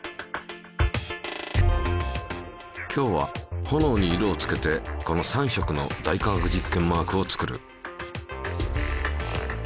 今日は炎に色をつけてこの３色の「大科学実験」マークを作る。